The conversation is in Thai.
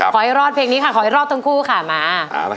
ขอให้รอดเพลงนี้ค่ะขอให้รอดทั้งคู่ค่ะมา